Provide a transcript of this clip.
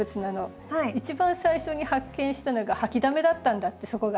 一番最初に発見したのが掃きだめだったんだってそこが。